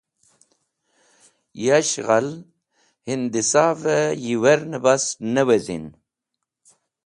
Yash ghal hindisavẽ yiwernẽ bas ne wizit